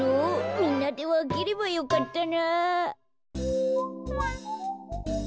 みんなでわければよかったな。